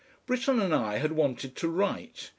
Britten and I had wanted to write.